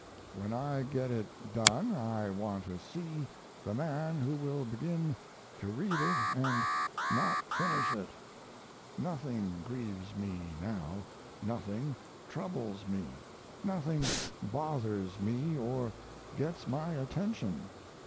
When I get it done I want to see the man who will begin to read it and not finish it. Nothing grieves me now; nothing troubles me, nothing bothers me or gets my attention.